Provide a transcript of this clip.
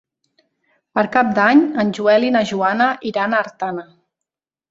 Per Cap d'Any en Joel i na Joana iran a Artana.